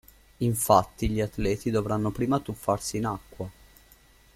Infatti, gli atleti dovranno prima tuffarsi in acqua.